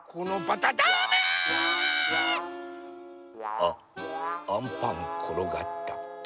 あっアンパンころがった。